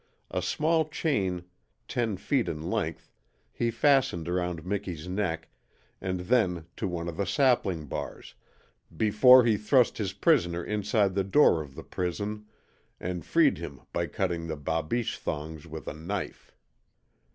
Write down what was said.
A small chain ten feet in length he fastened around Miki's neck and then to one of the sapling bars before he thrust his prisoner inside the door of the prison and freed him by cutting the BABICHE thongs with a knife.